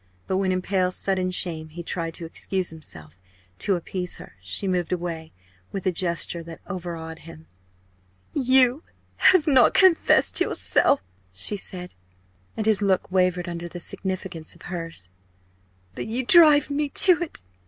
But when in pale sudden shame he tried to excuse himself to appease her she moved away, with a gesture that overawed him. "You have not confessed yourself" she said, and his look wavered under the significance of hers "but you drive me to it.